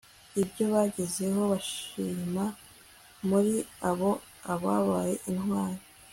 ibyo bagezeho, bashima muri bo ababaye intwari